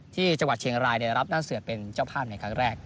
ที่จังหวัดเชียงรายได้รับหน้าเสือเป็นเจ้าภาพในครั้งแรก